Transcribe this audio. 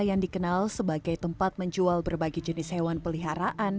yang dikenal sebagai tempat menjual berbagai jenis hewan peliharaan